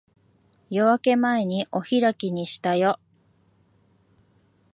夜明け前にお開きにしたよ。